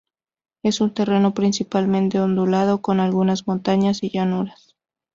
Es un terreno principalmente ondulado, con algunas montañas y llanuras.